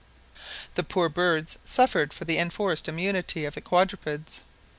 The poor birds suffered for the enforced immunity of the quadrupeds.